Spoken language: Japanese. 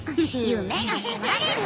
夢が壊れる！